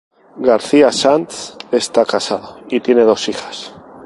García Sanz está casado y tiene dos hijas.